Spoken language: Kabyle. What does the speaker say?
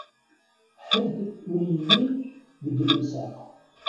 Ḥedd ur yelli deg lemsaq.